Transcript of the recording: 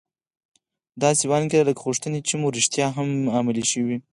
داسې وانګيرئ لکه غوښتنې چې مو رښتيا هم عملي شوې وي.